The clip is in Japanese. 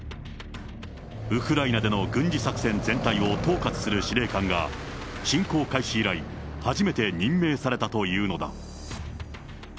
ウクライナでの軍事作戦全体を統括する司令官が侵攻開始以来、初めて任命されたというのだ。